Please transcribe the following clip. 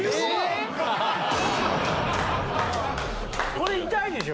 これ痛いでしょ？